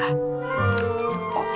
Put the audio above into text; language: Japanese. あっ！